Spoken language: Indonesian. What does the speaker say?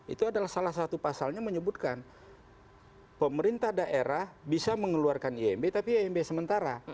itu adalah salah satu pasalnya menyebutkan pemerintah daerah bisa mengeluarkan imb tapi imb sementara